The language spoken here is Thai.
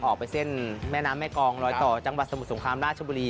ออกไปเส้นแม่น้ำแม่กองรอยต่อจังหวัดสมุทรสงครามราชบุรี